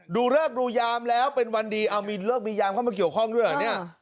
ดูเลือกรูยามแล้วเป็นวันดีเอามีเลือกรูยามเข้ามาเกี่ยวข้องด้วยเหรอ